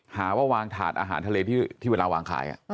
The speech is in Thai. หาว่าวางถาดอาหารทะเลที่เวลาวางขาย